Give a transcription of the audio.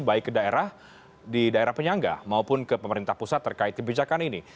baik ke daerah di daerah penyangga maupun ke pemerintah pusat terkait kebijakan ini